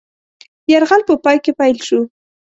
یرغل په پای کې پیل شو.